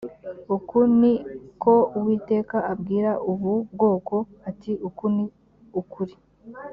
uku ni ko uwiteka abwira ubu bwoko ati uku ni ukuri